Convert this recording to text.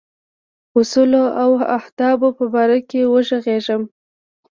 اصولو او اهدافو په باره کې وږغېږم.